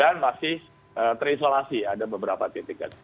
dan masih terisolasi ada beberapa titik